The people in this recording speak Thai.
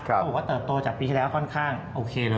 เขาบอกว่าเติบโตจากปีที่แล้วค่อนข้างโอเคเลย